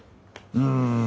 うん。